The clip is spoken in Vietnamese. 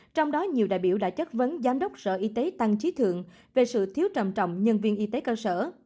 trong đó nhiều đại biểu đã chất vấn giám đốc sở y tế tăng trí thượng về sự thiếu trầm trọng nhân viên y tế cơ sở